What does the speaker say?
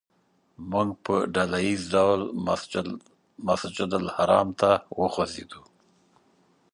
موږ په ډله ییز ډول مسجدالحرام ته وخوځېدو.